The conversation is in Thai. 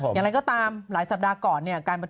อย่างไรก็ตามหลายสัปดาห์ก่อนเนี่ย